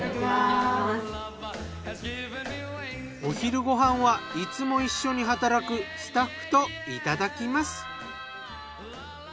お昼ご飯はいつも一緒に働くスタッフといただきます。